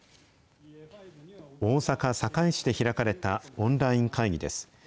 大阪・堺市で開かれたオンライン会議です。